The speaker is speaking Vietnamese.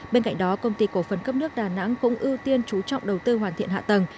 bên cạnh đó công ty cổ phần cấp nước đà nẵng cũng ưu tiên chú trọng đầu tư hoàn thiện hạ tầng